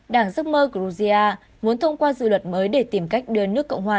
đảng giấc mơ georgia muốn thông qua dự luật mới để tìm cách đưa nước cộng hòa